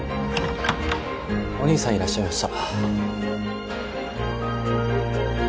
お兄さんいらっしゃいました。